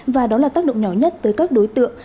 và đó là tác động nhỏ nhất tới các đối tượng